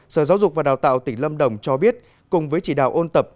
sở giáo dục và đào tạo tỉnh lâm đồng cho biết cùng với chỉ đạo ôn tập